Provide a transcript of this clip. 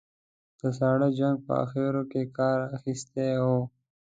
د ساړه جنګ په اخرو کې کار اخیستی و.